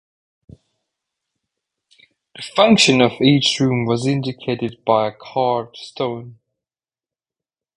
The function of each room was indicated by a carved stone.